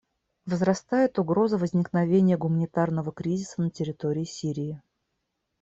Возрастает угроза возникновения гуманитарного кризиса на территории Сирии.